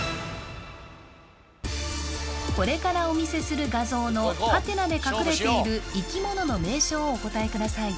これからお見せする画像のハテナで隠れている生き物の名称をお答えください